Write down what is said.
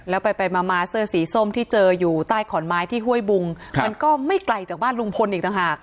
แล้วไปไปมาเสื้อสีส้มที่เจออยู่ใต้ขอนไม้ที่ห้วยบุงมันก็ไม่ไกลจากบ้านลุงพลอีกต่างหาก